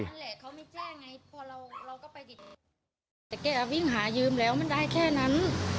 แล้วมันได้แค่นั้น